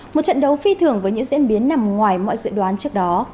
một trận đấu phi thường với những diễn biến nằm ngoài mọi dự đoán trước đó